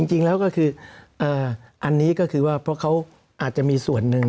จริงแล้วก็คืออันนี้ก็คือว่าเพราะเขาอาจจะมีส่วนหนึ่ง